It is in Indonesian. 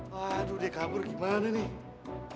waduh dia kabur gimana nih